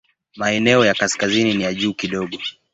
Maeneo ya kaskazini ni ya juu kidogo.